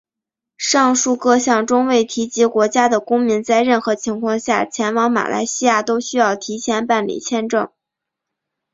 上述各项中未提及国家的公民在任何情况下前往马来西亚都需要提前办理签证。